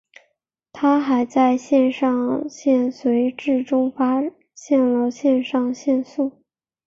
他还在肾上腺髓质中发现了肾上腺素。